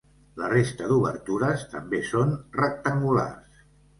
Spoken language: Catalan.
La resta d'obertures també són rectangulars.